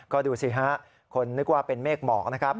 คนนึกว่าเป็นเมฆหมอกนะครับ